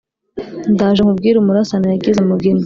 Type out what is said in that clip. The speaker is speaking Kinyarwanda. ndaje nkubwire umurasano yagize mugina